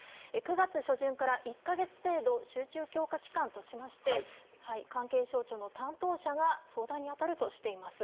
９月初旬から１か月程度、集中強化期間としまして、関係省庁の担当者が相談に当たるとしています。